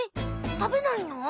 たべないの？